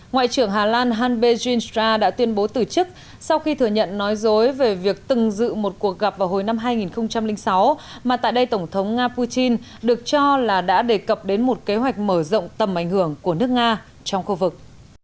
ngoại trưởng hà lan hanbe jean đã tuyên bố từ chức sau khi thừa nhận nói dối về việc từng dự một cuộc gặp vào hồi năm hai nghìn sáu mà tại đây tổng thống nga putin được cho là đã đề cập đến một kế hoạch mở rộng tầm ảnh hưởng của nước nga trong khu vực